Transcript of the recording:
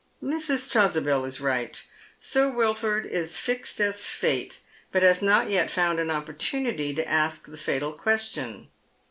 Mrs. Chasubel is right. Sir Wilford is fixed as fate, but baa not yet found an opportunity to ask the fatal question.